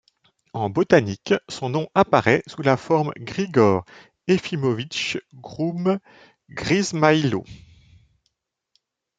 En botanique, son nom apparaît sous la forme Grigor Efimowitsch Grumm-Grzhimaylo.